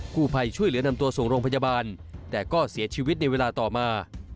ผู้ภัยช่วยเหลือนำตัวส่งโรงพยาบาลแต่ก็เสียชีวิตในเวลาต่อมา